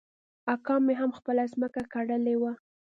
اکا مې هم خپله ځمکه کرلې وه.